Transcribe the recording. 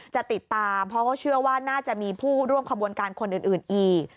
จะติดตามเพราะเขาเชื่อว่าน่าจะมีผู้ร่วมขบวนการคนอื่นอีก